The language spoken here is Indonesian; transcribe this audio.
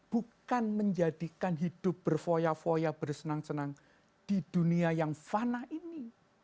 bukan menjadikan hidup berfoya foya bersenang senang di dunia yang fana ini